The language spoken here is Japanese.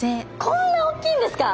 こんなおっきいんですね。